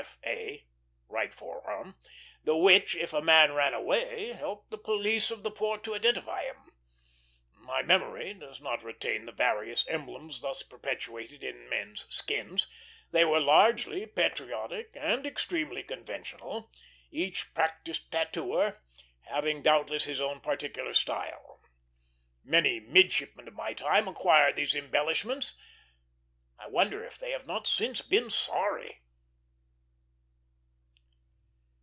f. a." right forearm the which, if a man ran away, helped the police of the port to identify him. My memory does not retain the various emblems thus perpetuated in men's skins; they were largely patriotic and extremely conventional, each practised tattooer having doubtless his own particular style. Many midshipmen of my time acquired these embellishments. I wonder if they have not since been sorry.